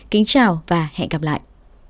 kính chào và hẹn gặp lại